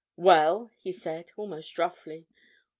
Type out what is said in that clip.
"Well?" he said, almost roughly.